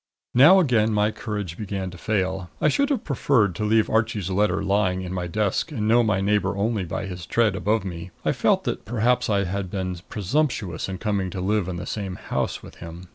Now again my courage began to fail. I should have preferred to leave Archie's letter lying in my desk and know my neighbor only by his tread above me. I felt that perhaps I had been presumptuous in coming to live in the same house with him.